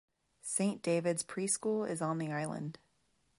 Saint David's Preschool is on the island.